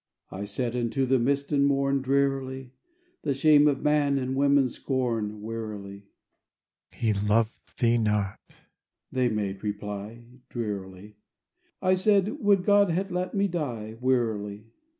I said unto the mist and morn, Drearily: "The shame of man and woman's scorn, Wearily." "He loved thee not," they made reply, Drearily. I said, "Would God had let me die!" Wearily.